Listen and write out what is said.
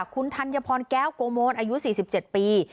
คุณธัญพรแก้วโกโมนอายุ๔๗ปี